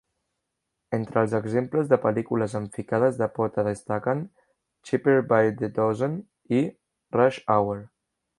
Entre els exemples de pel·lícules amb ficades de pota destaquen "Cheaper By the Dozen" i "Rush Hour".